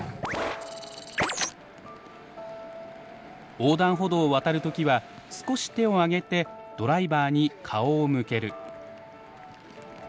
横断歩道を渡る時は少し手を上げてドライバーに顔を向ける。